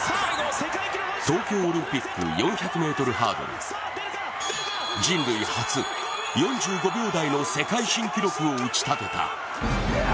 東京オリンピック４００ｍハードル人類初、４５秒台の世界新記録を打ちたてた。